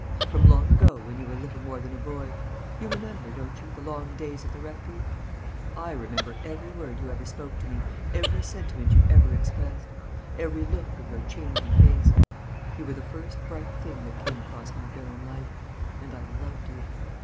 From long ago, when you were little more than a boy you remember, don't you, the long days at the Rectory? I remember every word you ever spoke to me, every sentiment you ever expressed, every look of your changing face you were the first bright thing that came across my barren life; and I loved you.